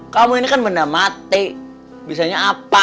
kamu ini kan benda mati bisanya apa